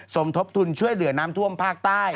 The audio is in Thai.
สมทบทุนช่วยเหลือน้ำท่วมภาคใต้